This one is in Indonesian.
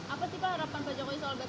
apa tipe harapan pak jokowi soal bpjs pak